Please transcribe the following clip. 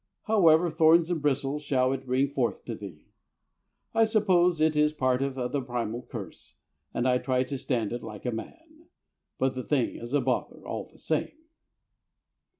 However, "Thorns and bristles shall it bring forth to thee." I suppose it is part of the primal curse, and I try and stand it like a man. But the thing is a bother all the same.